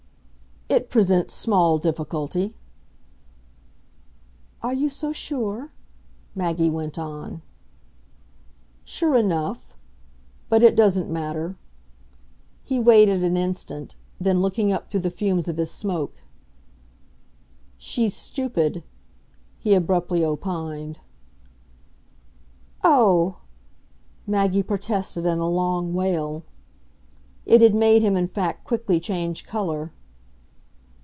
"It presents small difficulty!" "Are you so sure?" Maggie went on. "Sure enough. But it doesn't matter." He waited an instant; then looking up through the fumes of his smoke, "She's stupid," he abruptly opined. "O oh!" Maggie protested in a long wail. It had made him in fact quickly change colour.